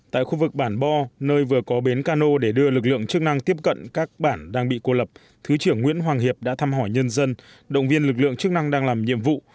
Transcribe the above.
tại khu vực bản bo nơi vừa có bến cano để đưa lực lượng chức năng tiếp cận các bản đang bị cô lập thứ trưởng nguyễn hoàng hiệp đã thăm hỏi nhân dân động viên lực lượng chức năng đang làm nhiệm vụ